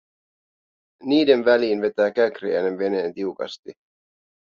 Niiden väliin vetää Käkriäinen veneen tiukasti.